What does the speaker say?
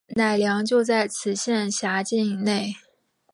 乃良就在此县辖境内。